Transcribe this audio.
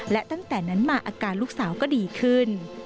และตั้งแต่นั้นมาอาการลูกสาวก็ดีขึ้น